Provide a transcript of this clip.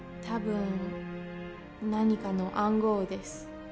たぶん何かの暗号です